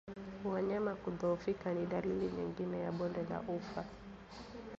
Wanyama kudhoofika ni dalili nyingine ya bonde la ufa